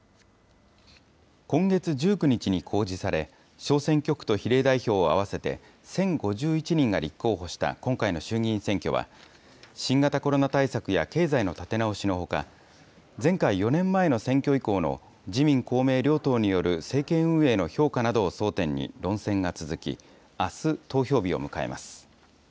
今月１９日に公示され、小選挙区と比例代表を合わせて１０５１人が立候補した今回の衆議院選挙は、新型コロナ対策や経済の立て直しのほか、前回・４年前の選挙以降の自民、公明両党による政権運営の評価などを争点に論戦が続き、あす、投票日を迎えます。